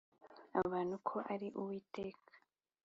abantu ko ari Uwiteka